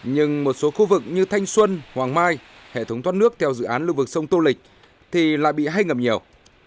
nhưng một số khu vực như thanh xuân hoàng mai hệ thống thoát nước theo dự án lưu vực sông tô lịch thì lại bị hay ngầm nhiều